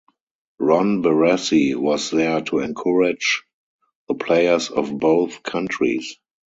Ron Barassi was there to encourage the players of both countries.